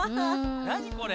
なにこれ。